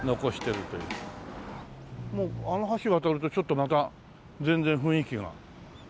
あの橋渡るとちょっとまた全然雰囲気が。